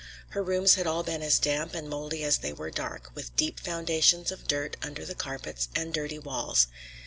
Her rooms had all been as damp and mouldy as they were dark, with deep foundations of dirt under the carpets, and dirty walls.